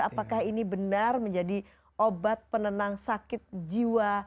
apakah ini benar menjadi obat penenang sakit jiwa